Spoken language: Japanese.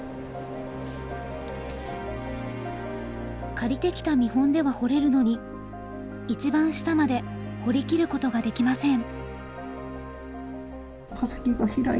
借りてきた見本では彫れるのに一番下まで彫り切ることができません。